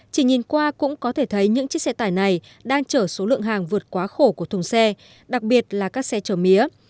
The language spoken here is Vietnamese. chỉ nhìn qua cũng có thể thấy những chiếc xe tải này đang chở số lượng hàng vượt quá khổ của thùng xe đặc biệt là các xe chở mía